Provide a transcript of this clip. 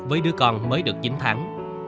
với đứa con mới được chín tháng